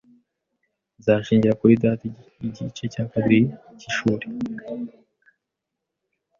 Nzashingira kuri data igice cya kabiri cy'ishuri